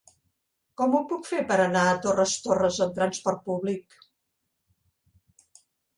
Com ho puc fer per anar a Torres Torres amb transport públic?